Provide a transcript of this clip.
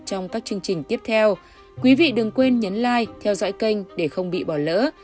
trong các chương trình tiếp theo quý vị đừng quên nhấn like theo dõi kênh để không bị bỏ lỡ